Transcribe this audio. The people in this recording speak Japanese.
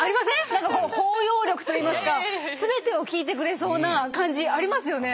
何かこう包容力といいますか全てを聞いてくれそうな感じありますよね。